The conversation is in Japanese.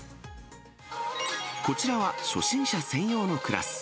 こちらは初心者専用のクラス。